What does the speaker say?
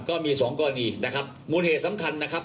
ก็มีสองกรณีนะครับมูลเหตุสำคัญนะครับ